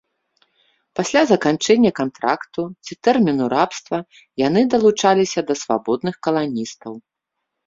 Пасля заканчэння кантракту ці тэрміну рабства яны далучаліся да свабодных каланістаў.